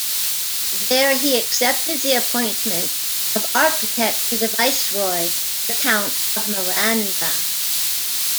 There he accepted the appointment of architect to the Viceroy, the count of Miranda.